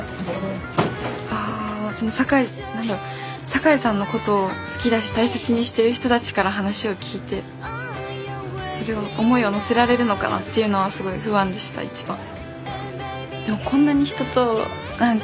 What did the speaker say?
坂井さんのことを好きだし大切にしてる人たちから話を聞いてそれを思いを乗せられるのかなっていうのはすごい不安でした一番。